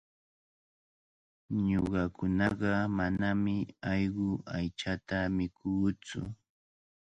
Ñuqakunaqa manami allqu aychata mikuutsu.